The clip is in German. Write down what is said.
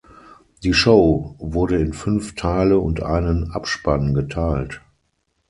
Die Show wurde in fünf Teile und einen Abspann geteilt.